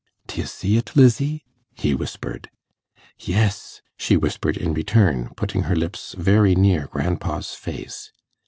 'D'ye see it, Lizzie?' he whispered. 'Yes,' she whispered in return, putting her lips very near grandpa's face.